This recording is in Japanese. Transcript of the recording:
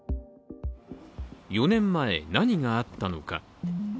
４年前、何があったのか。